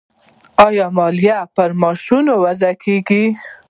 آیا مالیه پر معاشونو وضع کیږي؟